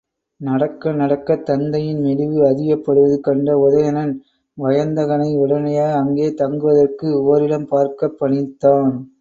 நடக்க நடக்கத் தத்தையின் மெலிவு அதிகப்படுவது கண்ட உதயணன், வயந்தகனை உடனடியாக அங்கே தங்குவதற்கு ஒரிடம் பார்க்கப் பணித்தான்.